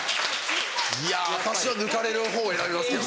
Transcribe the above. いや私は抜かれる方を選びますけどね。